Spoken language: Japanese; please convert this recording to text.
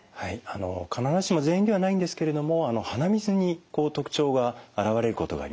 必ずしも全員ではないんですけれども鼻水に特徴が現れることがあります。